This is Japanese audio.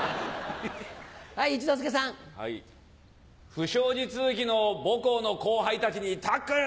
不祥事続きの母校の後輩たちにタックル！